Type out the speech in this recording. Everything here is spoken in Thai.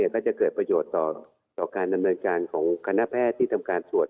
ก็จะเกิดประโยชน์ต่อการดำเนินการของคณะแพทย์ที่ทำการตรวจ